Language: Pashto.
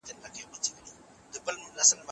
که په درو سرو کي ټکر راغلی، نو تفصيلي بحث لري.